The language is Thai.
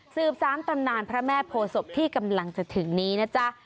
สิบสามตำนานพระแม่โพศพที่กำลังจะถึงนี้นะจ๊ะ